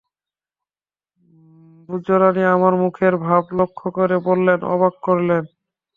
মেজোরানী আমার মুখের ভাব লক্ষ্য করে বললেন, অবাক করলে!